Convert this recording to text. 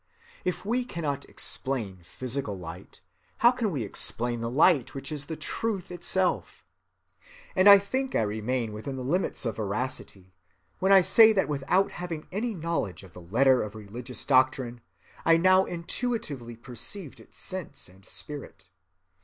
If we cannot explain physical light, how can we explain the light which is the truth itself? And I think I remain within the limits of veracity when I say that without having any knowledge of the letter of religious doctrine, I now intuitively perceived its sense and spirit.